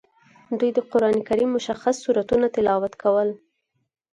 دوی د قران کریم مشخص سورتونه تلاوت کول.